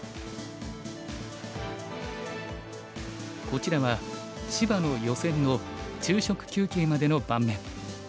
こちらは芝野・余戦の昼食休憩までの盤面。